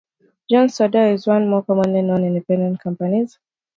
Jones Soda is one of the more commonly known "independent" companies.